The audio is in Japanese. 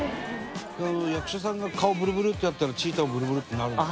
役者さんが顔ブルブルってやったらチーターもブルブルってなるの？